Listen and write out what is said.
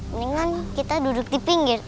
mendingan kita duduk di pinggir